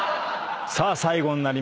さあ最後になります。